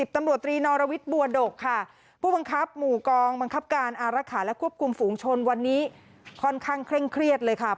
ตำรวจตรีนอรวิทย์บัวดกค่ะผู้บังคับหมู่กองบังคับการอารักษาและควบคุมฝูงชนวันนี้ค่อนข้างเคร่งเครียดเลยค่ะ